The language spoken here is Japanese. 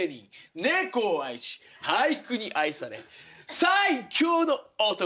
猫を愛し俳句に愛され最強の男！